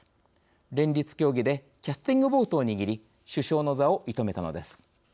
連立協議でキャスチングボートを握り首相の座を射止めたのです。